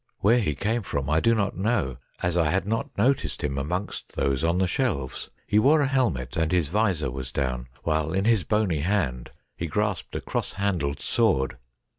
Where he came from I do not know, as I had not noticed him amongst those on the shelves. He wore a helmet, and his vizor was down, while in his bony hand he grasped a cross handled sword.